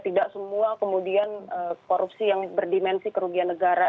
tidak semua kemudian korupsi yang berdimensi kerugian negara